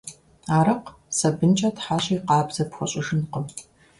Арыкъ сабынкӀэ тхьэщӀи къабзэ пхуэщӀыжынкъым.